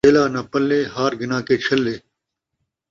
دھیلا ناں پلے ، ہار گھناں کہ چھلے